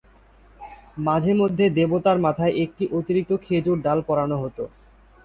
মাঝে মধ্যে দেবতার মাথায় একটি অতিরিক্ত খেজুর ডাল পরানো হতো।